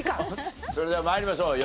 それでは参りましょう。